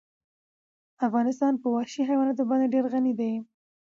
افغانستان په وحشي حیواناتو باندې ډېر غني دی.